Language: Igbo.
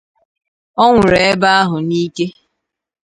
Ọ nwụrụ ebe ahụ n’ike